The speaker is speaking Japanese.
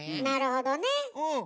なるほどね。